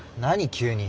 急に。